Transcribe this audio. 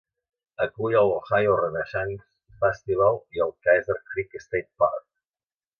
Acull el Ohio Renaissance Festival i el Caesar Creek State Park.